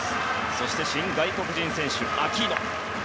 そして新外国人選手アキーノ。